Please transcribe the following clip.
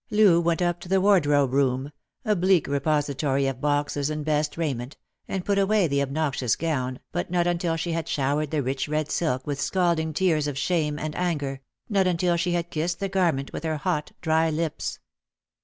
Loo went up to the wardrobe room — a bleak repository of boxes and best raiment — and put away the obnoxious gown, but not until she had showered the rich red silk with scalding tears of shame and anger — not until she had kissed the garment with her hot dry lips.